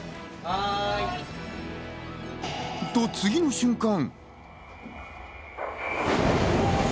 と、次の瞬間。